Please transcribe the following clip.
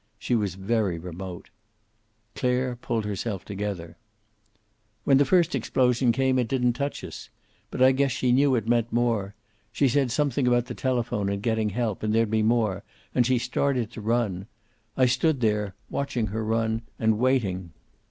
She was very remote. Clare pulled herself together. "When the first explosion came it didn't touch us. But I guess she knew it meant more. She said something about the telephone and getting help and there'd be more, and she started to run. I just stood there, watching her run, and waiting.